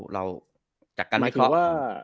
เราจัดการไม่เคราะห์